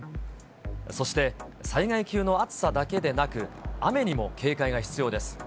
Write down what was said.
そして、災害級の暑さだけでなく、雨にも警戒が必要です。